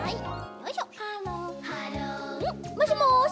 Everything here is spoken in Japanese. もしもし？